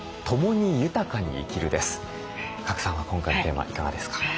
賀来さんは今回のテーマいかがですか？